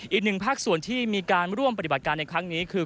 อีกหนึ่งภาคส่วนที่มีการร่วมปฏิบัติการในครั้งนี้คือ